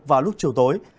vào lúc chiều tối